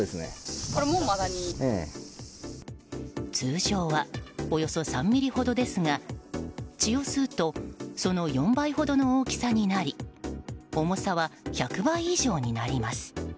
通常はおよそ３ｍｍほどですが血を吸うとその４倍ほどの大きさになり重さは１００倍以上になります。